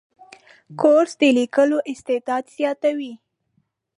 کورس د لیکلو استعداد زیاتوي.